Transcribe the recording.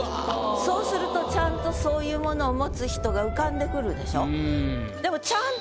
そうするとちゃんとそういうものを持つ人が浮かんでくるでしょ？